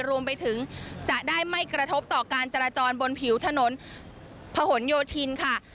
รวมไปถึงจะได้ไม่กระทบต่อการจราจรบนผิวถนนพะหนโยธินค่ะ